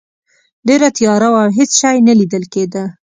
ډیره تیاره وه او هیڅ شی نه لیدل کیده.